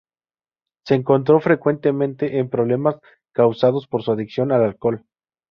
Se encontró frecuentemente en problemas causados por su adicción al alcohol.